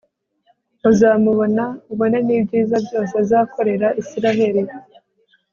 uzamubona ubone n'ibyiza byose azakorera israheli